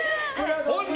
本人？